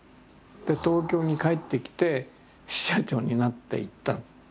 で東京に帰ってきて支社長になっていったんです。